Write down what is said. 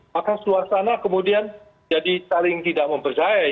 maka suasana kemudian jadi saling tidak mempercayai